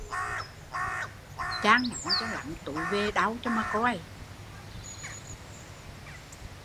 Chang nắng cho lắm túi về đau cho mà coi